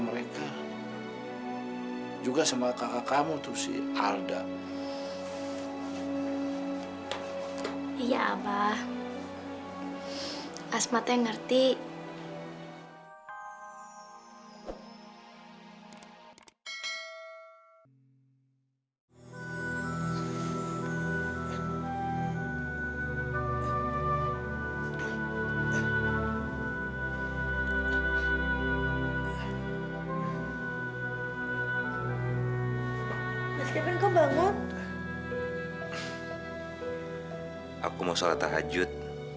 aku mau sholat tahajud